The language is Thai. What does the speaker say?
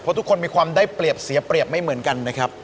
เพราะทุกคนมีความได้เปรียบเสียเปรียบไม่เหมือนกันนะครับ